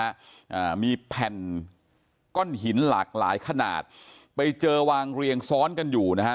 อ่ามีแผ่นก้อนหินหลากหลายขนาดไปเจอวางเรียงซ้อนกันอยู่นะฮะ